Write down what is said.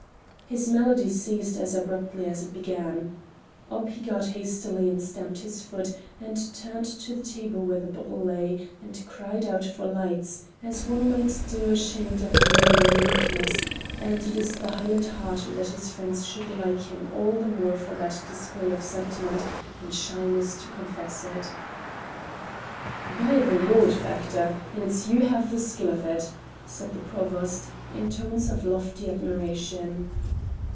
His melody ceased as abruptly as it began. Up he got hastily and stamped his foot and turned to the table where the bottle lay and cried loud out for lights, as one might do ashamed of a womanly weakness, and it is the Highland heart that his friends should like him all the more for that display of sentiment and shyness to confess it. "By the Lord, Factor, and it's you have the skill of it!" said the Provost, in tones of lofty admiration.